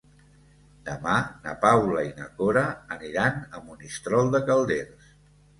Demà na Paula i na Cora aniran a Monistrol de Calders.